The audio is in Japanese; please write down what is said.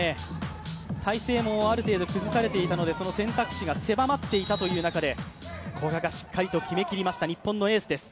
体勢もある程度崩されていたのでその選択肢が狭まっていた中で、古賀がしっかりと決めきりました日本のエースです。